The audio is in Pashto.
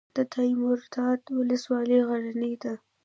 د دایمیرداد ولسوالۍ غرنۍ ده